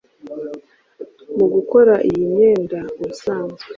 Mu gukora iyi myenda ubusanzwe